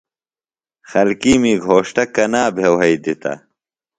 خلکِیمی گھوݜٹہ کنا بھے وھئی دِتہ؟